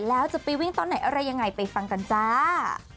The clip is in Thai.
แล้วจะไปวิ่งตอนไหนอะไรยังไงไปฟังกันจ้า